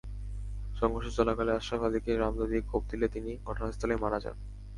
সংঘর্ষ চলাকালে আশরাফ আলীকে রামদা দিয়ে কোপ দিলে তিনি ঘটনাস্থলেই মারা যান।